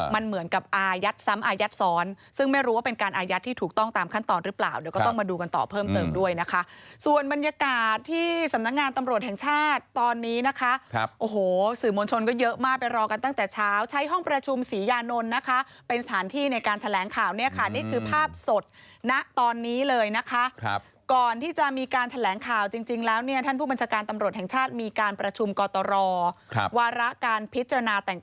มันเหมือนกับอายัดซ้ำอายัดซ้อนซึ่งไม่รู้ว่าเป็นการอายัดที่ถูกต้องตามขั้นตอนหรือเปล่าเนี่ยก็ต้องมาดูกันต่อเพิ่มเติมด้วยนะคะส่วนบรรยากาศที่สำนักงานตำรวจแห่งชาติตอนนี้นะคะโอ้โหสื่อมวลชนก็เยอะมากไปรอกันตั้งแต่เช้าใช้ห้องประชุมศรียานนลนะคะเป็นสถานที่ในการแถลงข่าวเนี่ยค่ะนี่คือ